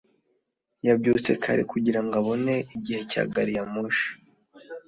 yabyutse kare kugirango abone igihe cya gari ya moshi.